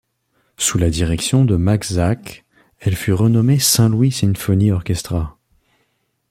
Sous la direction de Max Zach, elle fut renommée Saint Louis Symphony Orchestra.